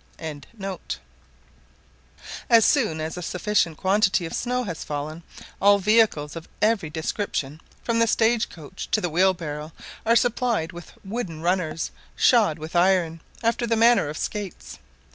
] As soon as a sufficient quantity of snow has fallen all vehicles of every description, from the stage coach to the wheelbarrow, are supplied with wooden runners, shod with iron, after the manner of skates.